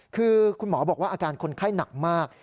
คือคุณหมอบอกว่าอาการคนไข้หนักมาก